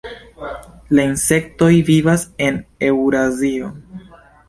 La insektoj vivas en Eŭrazio.